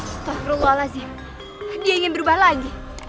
astagfirullahaladzim dia ingin berubah lagi